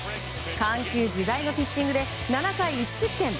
緩急自在のピッチングで７回１失点。